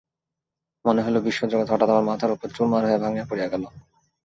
মনে হইল, বিশ্বজগৎ হঠাৎ আমার মাথার উপর চুরমার হইয়া ভাঙিয়া পড়িয়া গেল।